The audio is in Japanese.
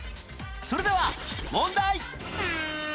それでは問題